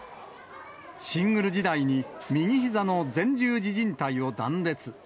シングル時代に右ひざの前十字靭帯を断裂。